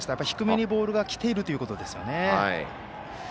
低めにボールが来ているということですね。